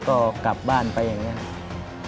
ก็กลับบ้านไปอย่างนี้ครับ